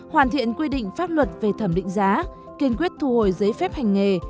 hoàn thiện quy định pháp luật về thẩm định giá kiên quyết thu hồi giấy phép hành nghề